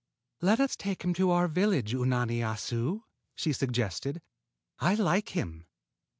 "Let us take him to our village, Unani Assu!" she suggested. "I like him."